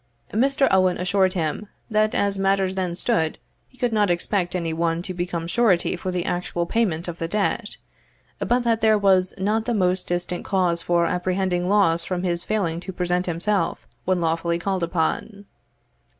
Mr. Owen assured him, that as matters then stood, he could not expect any one to become surety for the actual payment of the debt, but that there was not the most distant cause for apprehending loss from his failing to present himself when lawfully called upon.